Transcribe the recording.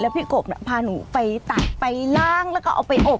พี่กบพาหนูไปตักไปล้างแล้วก็เอาไปอบ